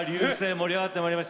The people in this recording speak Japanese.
盛り上がってまいりました。